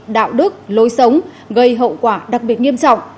đạo đức lối sống gây hậu quả đặc biệt nghiêm trọng